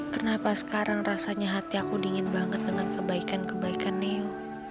kenapa sekarang rasanya hati aku dingin banget dengan kebaikan kebaikan neo